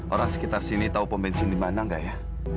orang sekitar sini tau pom bensin dimana gak ya